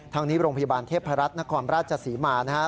ทางนี้โรงพยาบาลเทพภรรรษนครราชศาสิมานะฮะ